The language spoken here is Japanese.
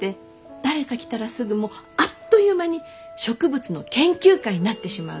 誰か来たらすぐもうあっという間に植物の研究会になってしまうんです。